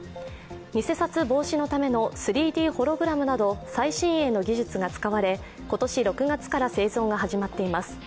偽札防止のための３Ｄホログラムなど最新鋭の技術が使われ今年６月から製造が始まっています